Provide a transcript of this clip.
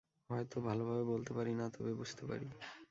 হয়তো ভালভাবে বলতে পারি না, তবে বুঝতে পারি।